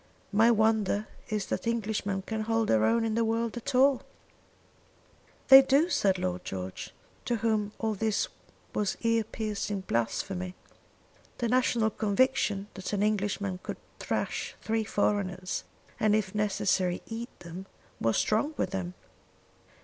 My wonder is that Englishman can hold their own in the world at all." "They do," said Lord George, to whom all this was ear piercing blasphemy. The national conviction that an Englishman could thrash three foreigners, and if necessary eat them, was strong with him.